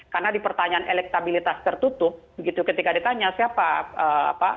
karena di pertanyaan elektabilitas tertutup gitu ketika ditanya siapa